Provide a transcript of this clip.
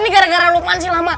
ini gara gara lukman sih lama